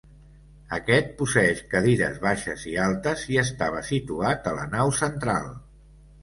Aquest posseeix cadires baixes i altes i estava situat a la nau central.